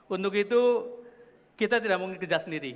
untuk itu kita tidak mungkin kerja sendiri